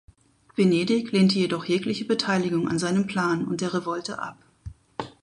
Venedig lehnte jedoch jegliche Beteiligung an seinem Plan und der Revolte ab.